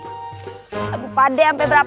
waalaikumsalam warahmatullahi wabarakatuh